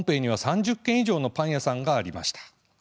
３０軒以上のパン屋さんがありました。